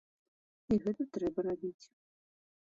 І гэта трэба рабіць.